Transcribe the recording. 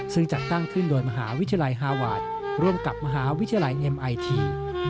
ซึ่งจัดตั้งขึ้นโดยมหาวิทยาลัยฮาวาสร่วมกับมหาวิทยาลัยเอ็มไอที